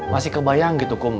masih kebayang gitu kum